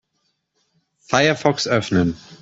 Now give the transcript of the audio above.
Firefox öffnen.